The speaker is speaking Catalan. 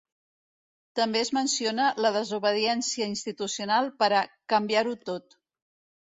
També es menciona la desobediència institucional per a ‘canviar-ho tot’.